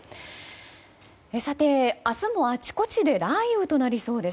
さて、明日もあちこちで雷雨となりそうです。